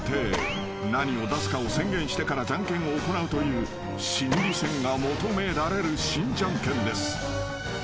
［何を出すかを宣言してからジャンケンを行うという心理戦が求められる新ジャンケンです］